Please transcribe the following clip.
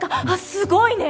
すごいね。